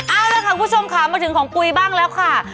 เอาละค่ะคุณผู้ชมค่ะมาถึงของปุ๋ยบ้างแล้วค่ะ